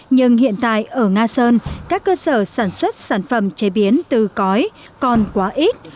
nhưng hiện tại ở nga sơn các cơ sở sản xuất sản phẩm chế biến từ cõi còn quá ít